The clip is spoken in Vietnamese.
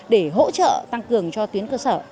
để hỗ trợ tăng cường cho tuyến cơ sở